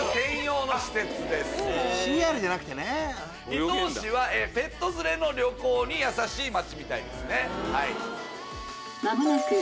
伊東市はペット連れの旅行に優しい町みたいですね。